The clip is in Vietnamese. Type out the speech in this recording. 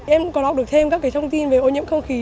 em còn học được thêm các thông tin về ô nhiễm không khí